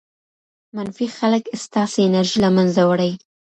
منفي خلک ستاسې انرژي له منځه وړي.